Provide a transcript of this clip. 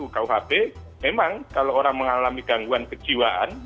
kuhp memang kalau orang mengalami gangguan kejiwaan